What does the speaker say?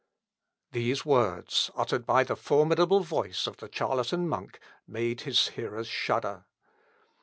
'" These words, uttered by the formidable voice of the charlatan monk, made his hearers shudder.